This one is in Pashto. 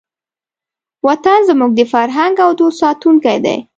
وطن زموږ د فرهنګ او دود ساتونکی دی.